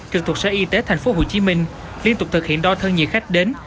trực thuộc sở y tế tp hcm liên tục thực hiện đo thân nhiệt khách đến